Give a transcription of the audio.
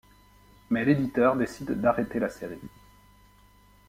Mais l'éditeur décide d'arrêter la série.